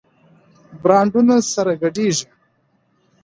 برانډونه سره ګډېږي.